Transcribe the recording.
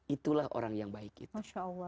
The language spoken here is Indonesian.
itulah orang yang baik itu